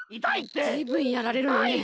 ずいぶんやられるのね。